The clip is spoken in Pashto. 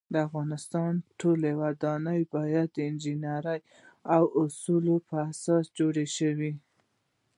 د افغانستان ټولی ودانۍ باید د انجنيري اوصولو په اساس جوړې شی